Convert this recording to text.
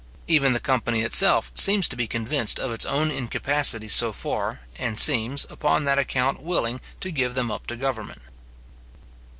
Even the company itself seems to be convinced of its own incapacity so far, and seems, upon that account willing to give them up to government.